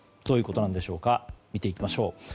どういうことなんでしょうか見ていきましょう。